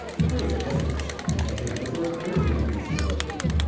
Great heavens, and that had never occurred to me before.